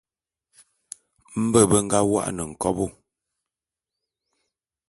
Mbe be nga wô'an nkobô.